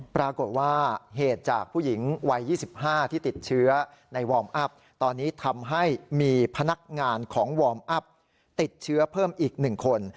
ปรากฏว่าเหตุจากผู้หญิงวัย๒๕ที่ติดเชื้อในวอร์มอัพตอนนี้ทำให้มีพนักงานของวอร์มอัพติดเชื้อเพิ่มอีก๑คน